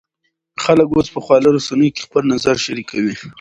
خلک اوس په خواله رسنیو کې خپل نظر شریکوي.